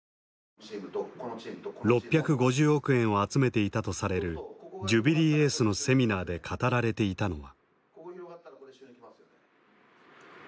６５０億円を集めていたとされるジュビリーエースのセミナーで語られていたのは。